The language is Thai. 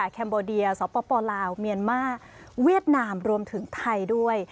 แคมโบเดียสปลาวเมียนมาร์เวียดนามรวมถึงไทยด้วย